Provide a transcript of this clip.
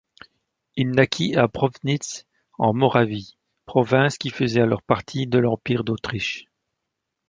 Il naquit à Proßnitz en Moravie, province qui faisait alors partie de l'Empire d'Autriche.